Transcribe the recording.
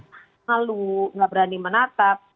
lalu nggak berani menatap